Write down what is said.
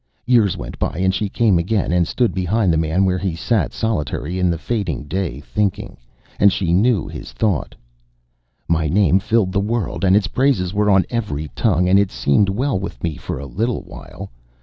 Years went by and she came again, and stood behind the man where he sat solitary in the fading day, thinking. And she knew his thought: "My name filled the world, and its praises were on every tongue, and it seemed well with me for a little while.